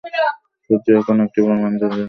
সূর্য এখনও একটি প্রধান-পর্যায়ভুক্ত নক্ষত্র।